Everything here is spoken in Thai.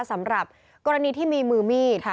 สำหรับกรณีที่มีมือมีดค่ะ